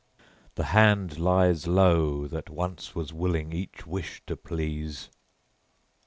The hand lies low that once was willing each wish to please.